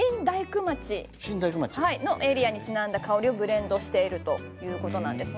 このエリアにちなんだ香りをブレンドしているということなんです。